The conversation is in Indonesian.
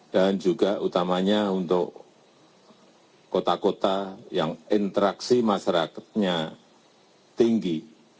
dan juga utamanya untuk kota kota yang interaksi masyarakatnya tinggi